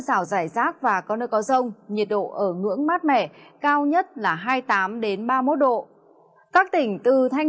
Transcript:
rào rải rác và có nơi có rông nhiệt độ ở ngưỡng mát mẻ cao nhất là hai mươi tám ba mươi một độ các tỉnh từ thanh